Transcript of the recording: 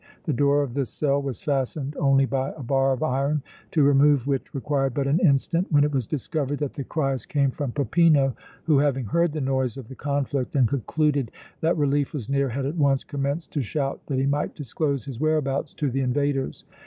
The door of this cell was fastened only by a bar of iron, to remove which required but an instant, when it was discovered that the cries came from Peppino, who having heard the noise of the conflict and concluded that relief was near had at once commenced to shout that he might disclose his whereabouts to the invaders.